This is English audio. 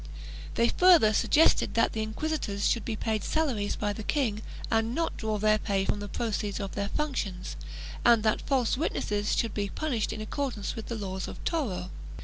They further suggested that inquisitors should be paid salaries by the king and not draw their pay from the proceeds of their functions, and that false witnesses should be punished in accordance with the Laws of Toro.